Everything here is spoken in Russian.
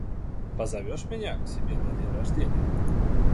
Позовешь меня к себе на день рождения?